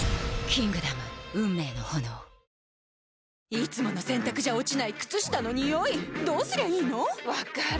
いつもの洗たくじゃ落ちない靴下のニオイどうすりゃいいの⁉分かる。